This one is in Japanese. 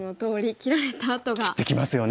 切ってきますよね。